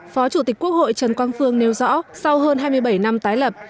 phó chủ tịch quốc hội trần quang phương nêu rõ sau hơn hai mươi bảy năm tái lập